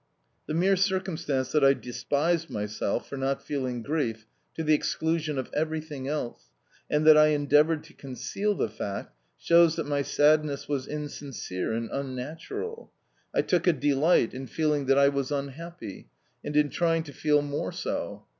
The mere circumstance that I despised myself for not feeling grief to the exclusion of everything else, and that I endeavoured to conceal the fact, shows that my sadness was insincere and unnatural. I took a delight in feeling that I was unhappy, and in trying to feel more so.